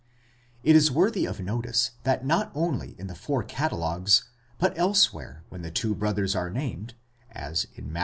It is worthy of notice that not only in the four catalogues, but elsewhere when the two brothers are named, as in Matt.